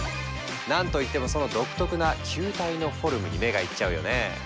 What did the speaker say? なんといってもその独特な球体のフォルムに目がいっちゃうよね。